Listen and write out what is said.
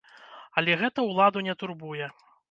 Але гэта ўладу не турбуе.